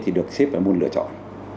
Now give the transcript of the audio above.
thì được xếp vào môn lựa chọn